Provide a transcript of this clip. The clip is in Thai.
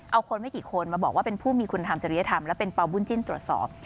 เอาคนไม่กี่คนมาบอกว่าเป็นผู้มีคุณธรรมจริยธรรมและเป็นเป่าบุญจิ้นตรวจสอบ